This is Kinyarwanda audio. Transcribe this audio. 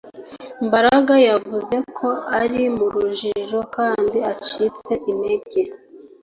Mbaraga yavuze ko yari mu rujijo kandi acitse intege